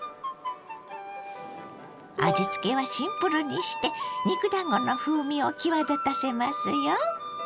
味付けはシンプルにして肉だんごの風味を際立たせますよ。